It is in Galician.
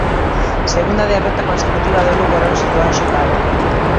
Segunda derrota consecutiva do Lugo lonxe do Anxo Carro.